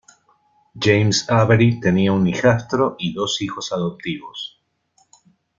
James Avery tenía un hijastro y dos hijos adoptivos.